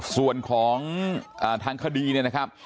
ส่วนของทางคดีเนี่ยนะครับ